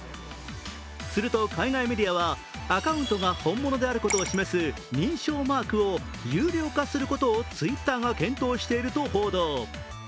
すると、海外メディアは、アカウントが本物であることを示す認証マークを有料化することをＴｗｉｔｔｅｒが検討していると報道。